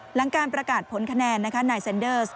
หลังการประกาศผลคะแนนนะคะนายเซ็นเดอร์ส